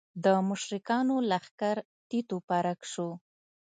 د مشرکانو لښکر تیت و پرک شو.